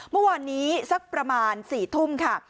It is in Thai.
เมื่อวานนี้สักประมาณ๔ทุ่มค่ะ